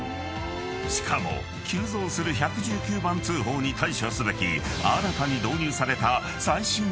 ［しかも急増する１１９番通報に対処すべき新たに導入された］